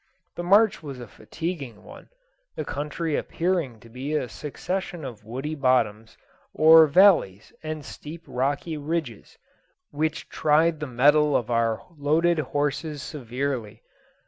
The march was a fatiguing one; the country appearing to be a succession of woody bottoms, or valleys and steep rocky ridges, which tried the metal of our loaded horses severely.